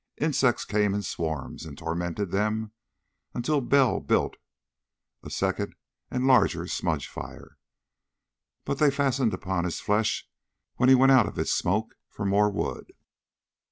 Insects came in swarms and tormented them until Bell built a second and larger smudge fire. But they fastened upon his flesh when he went out of its smoke for more wood.